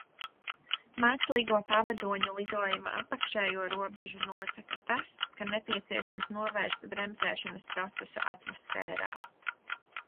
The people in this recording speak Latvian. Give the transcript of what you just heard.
Mākslīgo pavadoņu lidojuma apakšējo robežu nosaka tas, ka nepieciešams novērst bremzēšanas procesu atmosfērā.